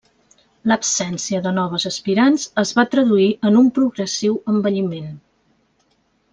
L'absència de noves aspirants es va traduir en un progressiu envelliment.